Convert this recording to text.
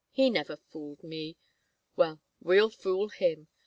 He never fooled me. Well, we'll fool him.